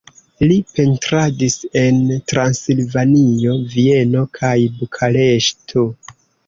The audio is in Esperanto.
Li pentradis en Transilvanio, Vieno kaj Bukareŝto.